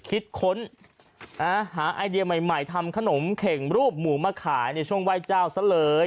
คิดค้นหาไอเดียใหม่ทำขนมเข่งรูปหมูมาขายในช่วงไหว้เจ้าซะเลย